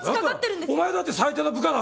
だったらお前だって最低な部下だろ。